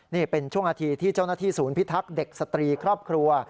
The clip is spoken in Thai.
นี่เป็นช่วงนาทีที่เจ้าหน้าที่ศูนย์พิทักษ์เด็กสตรีครอบครัว